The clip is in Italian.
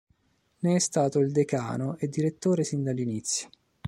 Ne è stato il decano e direttore sin dall'inizio.